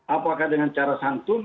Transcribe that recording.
apakah dengan cara santun